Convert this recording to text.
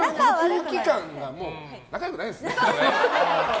空気感が、仲良くないですね。